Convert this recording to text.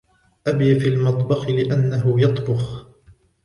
أبي في المطبخ لأنه يطبخ.